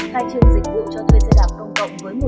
khai trương dịch vụ cho thuê xe đạp đồng cộng với một xe